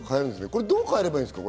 どう変えればいいんですか？